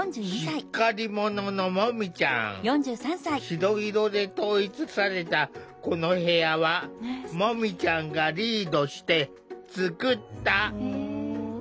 白色で統一されたこの部屋はもみちゃんがリードして作った。